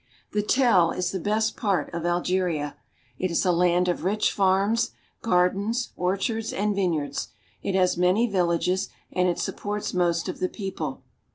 The Tell is the best part of Algeria. It is a land of rich farms, gardens, orchards, and vineyards. It has many villages and it supports most of the people.